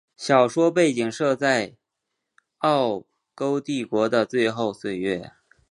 小说背景设在奥匈帝国的最后岁月。